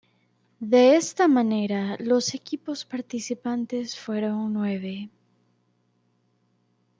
De esta manera, los equipos participantes fueron nueve.